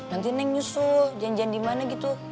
nanti neng nyusul janjian di mana gitu